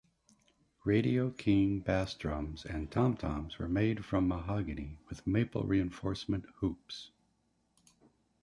Radio King bass drums and tom-toms were made from mahogany, with maple reinforcement hoops.